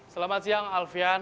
selamat siang alfian